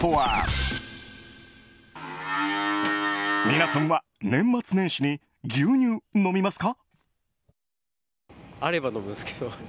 皆さんは年末年始に牛乳、飲みますか？